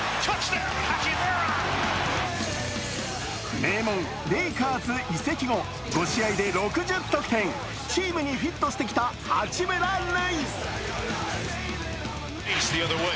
名門レイカーズ移籍後、５試合で６０得点、チームにフィットしてきた八村塁。